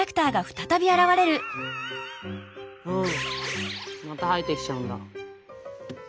また生えてきちゃうんだ。